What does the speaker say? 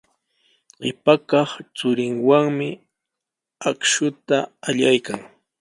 Qipa kaq churinwanmi akshuta allaykan.